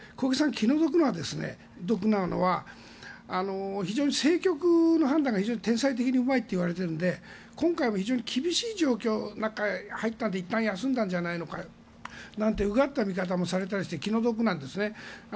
気の毒なのは非常に政局の判断が非常に天才的にうまいと言われているので今回、非常に厳しい状況の中に入ったのでいったん休んだんじゃないのかなんてうがった見方もされたりして気の毒なんですね。